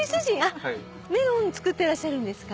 メロン作ってらっしゃるんですか？